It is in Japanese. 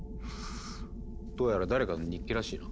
どうやら誰かの日記らしいな。